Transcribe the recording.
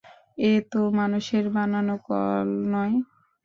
এ তো মানুষের বানানো কল নয়।